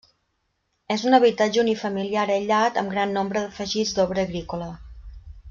És un habitatge unifamiliar aïllat amb gran nombre d'afegits d'obra agrícola.